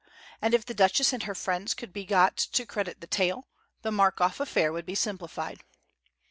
And if the Duchess and her friends could be got to credit the tale, the Markoff affair would be simplified.